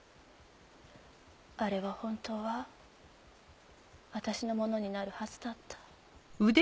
あれは本当は私のものになるはずだった。